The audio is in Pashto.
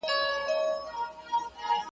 خلکو خبرسی له اعلانونو .